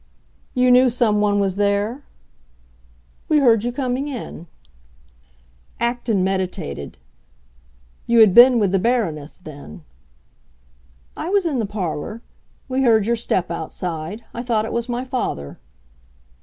"You knew someone was there?" "We heard you coming in." Acton meditated. "You had been with the Baroness, then?" "I was in the parlor. We heard your step outside. I thought it was my father."